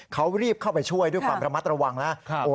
เขารีบเข้าไปช่วยด้วยความระมัดระวังแล้ว